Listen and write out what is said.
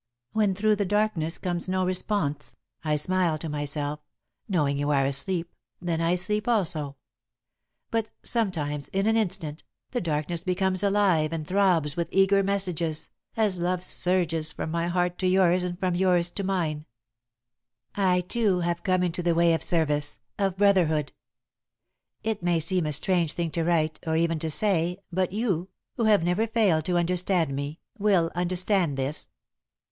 When through the darkness comes no response, I smile to myself, knowing you are asleep, then I sleep also. But sometimes, in an instant, the darkness becomes alive and throbs with eager messages, as love surges from my heart to yours and from yours to mine. [Sidenote: The Open Door] "I, too, have come into the way of service, of brotherhood. It may seem a strange thing to write, or even to say, but you, who have never failed to understand me, will understand this.